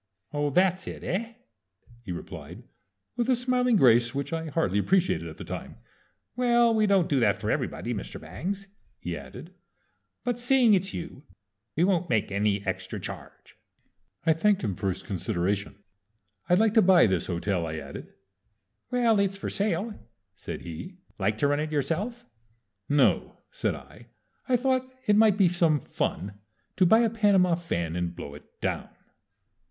"Oh, that's it, eh?" he replied, with a smiling grace which I hardly appreciated at the time. "Well, we don't do that for everybody, Mr. Bangs," he added; "but seeing it's you we won't make any extra charge." I thanked him for his consideration. "I'd like to buy this hotel," I added. "Well, it's for sale," said he. "Like to run it yourself?" "No," said I. "I thought it might be some fun to buy a Panama fan and blow it down." [Illustration: "I was the sudden recipient of a blow on top of my head."